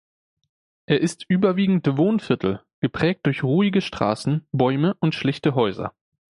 Er ist überwiegend Wohnviertel, geprägt durch ruhige Straßen, Bäume und schlichte Häuser.